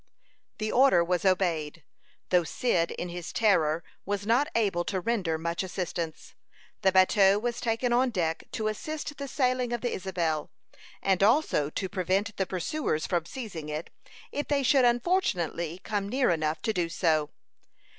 The order was obeyed, though Cyd, in his terror, was not able to render much assistance. The bateau was taken on deck to assist the sailing of the Isabel, and also to prevent the pursuers from seizing it, if they should unfortunately come near enough to do so.